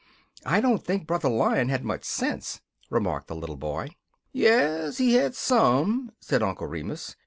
] "I don't think Brother Lion had much sense," remarked the little boy. "Yes, he had some," said Uncle Remus.